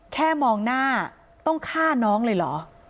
แค่มองหน้าต้องฆ่าน้องเลยเหรอ